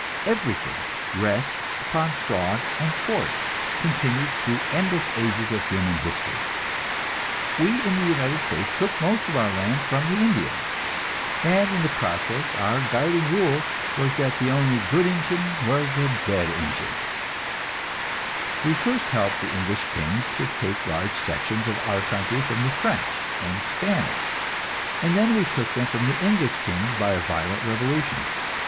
Everything rests upon fraud and force, continued through endless ages of human history. We in the United States took most of our land from the Indians, and in the process our guiding rule was that the only good Injun was a dead Injun. We first helped the English kings to take large sections of our country from the French and Spanish, and then we took them from the English king by a violent revolution.